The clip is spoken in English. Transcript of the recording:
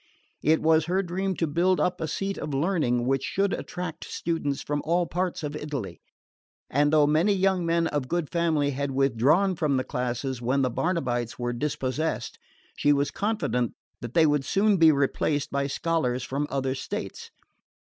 It was her dream to build up a seat of learning which should attract students from all parts of Italy; and though many young men of good family had withdrawn from the classes when the Barnabites were dispossessed, she was confident that they would soon be replaced by scholars from other states.